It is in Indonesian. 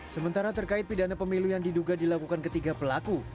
sementara terkait pidana pemilu yang diduga dilakukan ketiga pelaku